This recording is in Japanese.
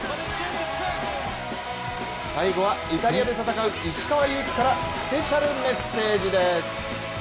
最後はイタリアで戦う石川祐希からスペシャルメッセージです。